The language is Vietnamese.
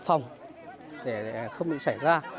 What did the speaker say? không để không bị xảy ra